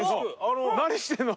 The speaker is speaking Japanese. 何してんの？